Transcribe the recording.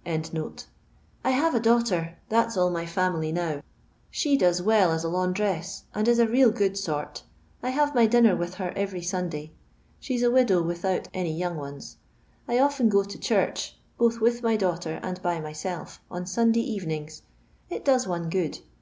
]" I daughter, that's all my fiunily now; she does well as a laundress, and is a real good sort ; I have my dinner with her every Sunday. She 's a widow without any young ones. I often go to church, both with my daughter and by mysdf, on Sunday evenings. It does one good.